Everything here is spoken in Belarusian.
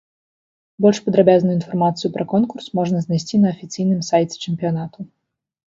Больш падрабязную інфармацыю пра конкурс можна знайсці на афіцыйным сайце чэмпіянату.